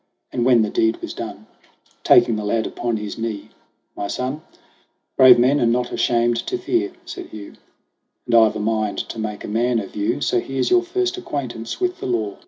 And when the deed was done, Taking the lad upon his knee : "My Son, Brave men are not ashamed to fear," said Hugh, "And I've a mind to make a man of you; So here's your first acquaintance with the law!"